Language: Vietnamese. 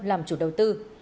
làm chủ đầu tư